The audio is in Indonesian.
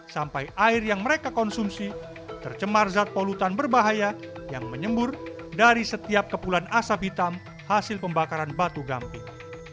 sampai air yang mereka konsumsi tercemar zat polutan berbahaya yang menyembur dari setiap kepulan asap hitam hasil pembakaran batu gamping